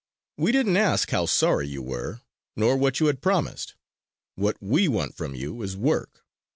"We didn't ask how sorry you were, nor what you had promised. What we want from you is work.